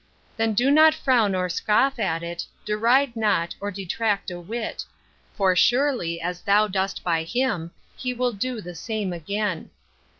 Then do not frown or scoff at it, Deride not, or detract a whit. For surely as thou dost by him, He will do the same again.